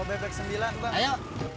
mas mas mas tunggu